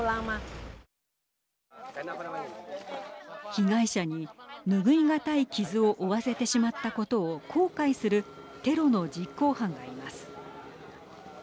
被害者に拭い難い傷を負わせてしまったことを後悔するテロの実行犯がいます。